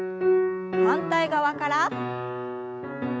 反対側から。